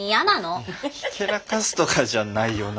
ひけらかすとかじゃないような。